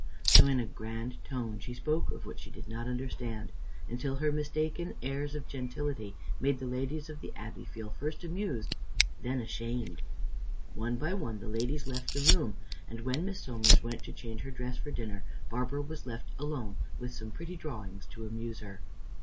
So in a grand tone she spoke of what she did not understand, until her mistaken airs of gentility made the ladies of the Abbey feel first amused and then ashamed. One by one the ladies left the room, and when Miss Somers went to change her dress for dinner, Barbara was left alone with some pretty drawings to amuse her.